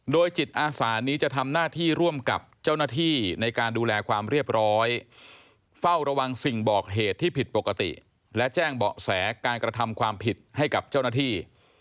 โดยจิตอาสานี้จะทำหน้าที่ร่วมกับเจ้าหน้าที่ในการดูแลความเรียบร้อยเฝ้าระวังสิ่งบอกเหตุที่ผิดปกติและแจ้งเบาะแสการกระทำความผิดให้กับเจ้าหน้าที่